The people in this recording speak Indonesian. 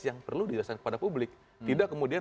yang perlu dijelaskan kepada publik tidak kemudian